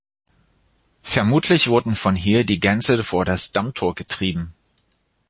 Vermutlich wurden von hier die Gänse vor das "Dammtor" getrieben.